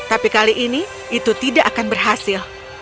tapi kali ini itu tidak akan berhasil